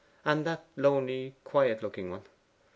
'And that lonely quiet looking one?